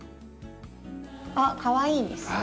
あっかわいいです。